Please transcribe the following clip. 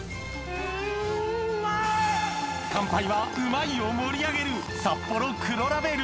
乾杯は「うまい！」を盛り上げるサッポロ黒ラベル！